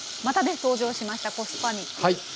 またね登場しましたコスパ肉。